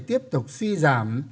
tiếp tục suy giảm